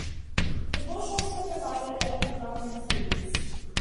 The bush also provided edible gum and seeds.